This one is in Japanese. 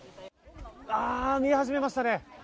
見え始めましたね！